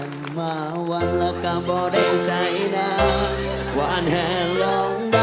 คำเพลงกับพี่แซ็กนะคะลูก